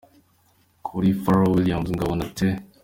Kuri Pharrell Williams, ngo abona T.